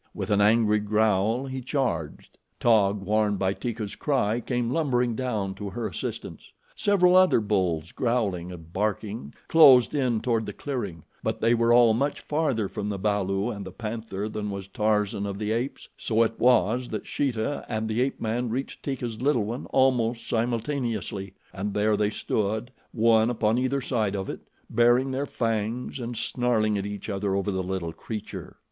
With an angry growl, he charged. Taug, warned by Teeka's cry, came lumbering down to her assistance. Several other bulls, growling and barking, closed in toward the clearing, but they were all much farther from the balu and the panther than was Tarzan of the Apes, so it was that Sheeta and the ape man reached Teeka's little one almost simultaneously; and there they stood, one upon either side of it, baring their fangs and snarling at each other over the little creature.